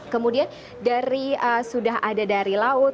kemudian dari sudah ada dari laut